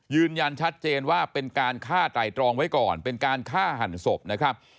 ยืนยันชัดเจนว่าเป็นการฆ่าไตรตรองไว้ก่อนเป็นการฆ่าหันศพนะครับ